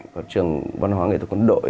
có trường văn hóa nghệ thuật quân đội